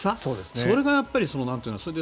それがね。